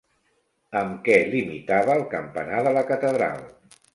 Amb què limitava el campanar de la catedral?